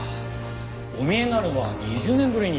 お見えになるのは２０年ぶりに。